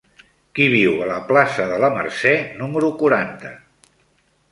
Qui viu a la plaça de la Mercè número quaranta?